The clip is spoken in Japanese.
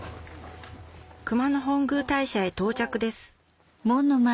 熊野本宮大社へ到着です